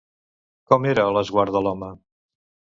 Com era l'esguard de l'home?